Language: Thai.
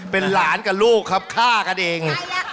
เป็นหลานกับลูกครับฆ่ากันเอง